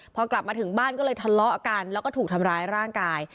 พอกลับมาถึงบ้านก็เลยทะเลาะกันแล้วก็ถูกทำร้ายร่างกาย